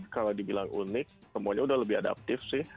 kalau dibilang unik semuanya udah lebih adaptif sih